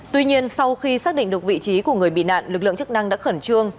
tuy nhiên sau khi xác định được vị trí của người bị nạn lực lượng chức năng đã khẩn trương